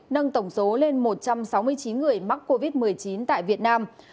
nâng tổng số lên một trăm sáu mươi chín người mắc covid một mươi chín tại việt nam